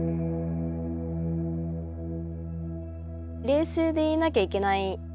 冷静でいなきゃいけない。